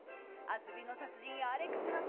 遊びの達人アレクさん